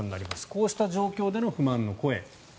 こうした状況での不満の声。